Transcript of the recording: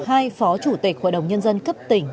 hai phó chủ tịch hội đồng nhân dân cấp tỉnh